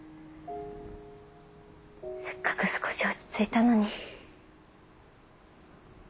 せっかく少し落ち着いたのに。